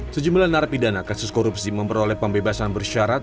sejumlah narapidana kasus korupsi memperoleh pembebasan bersyarat